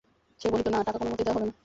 সে বলিত, না, টাকা কোনোমতেই দেওয়া হবে না।